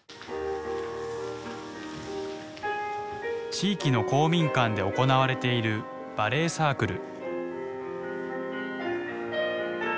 地域の公民館で行われているバレエサークル。